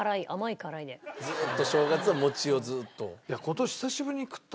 ずーっと正月は餅をずっと。